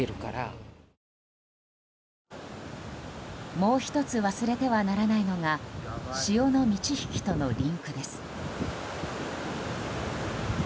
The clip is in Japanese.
もう１つ忘れてはならないのが潮の満ち引きとのリンクです。